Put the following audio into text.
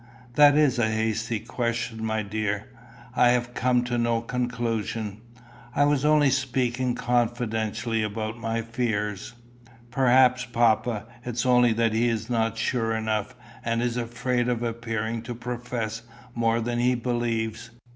"That is a hasty question, my dear. I have come to no conclusion. I was only speaking confidentially about my fears." "Perhaps, papa, it's only that he's not sure enough, and is afraid of appearing to profess more than he believes.